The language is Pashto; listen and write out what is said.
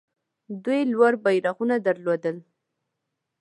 دوی لوړ بیرغونه درلودل